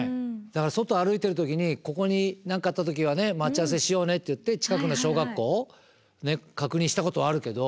外歩いてる時に「ここに何かあった時は待ち合わせしようね」って言って近くの小学校確認したことはあるけど。